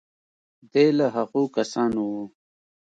دی له هغو کسانو و.